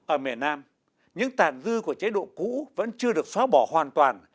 ở miền nam những tàn dư của chế độ cũ vẫn chưa được xóa bỏ hoàn toàn